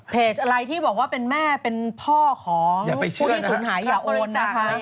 อะไรที่บอกว่าเป็นแม่เป็นพ่อของผู้ที่สูญหายอย่าโอนนะคะ